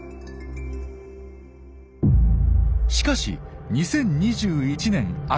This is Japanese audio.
しかし２０２１年秋。